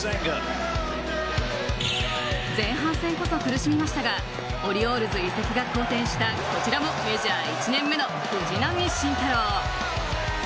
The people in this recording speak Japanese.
前半戦こそ苦しみましたがオリオールズ移籍が好転したこちらもメジャー１年目の藤浪晋太郎。